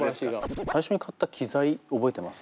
最初に買った機材覚えてます？